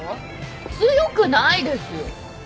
強くないですよ。